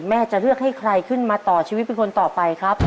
จะเลือกให้ใครขึ้นมาต่อชีวิตเป็นคนต่อไปครับ